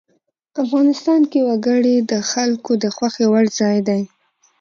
افغانستان کې وګړي د خلکو د خوښې وړ ځای دی.